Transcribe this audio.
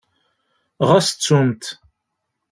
Ɣas ttumt.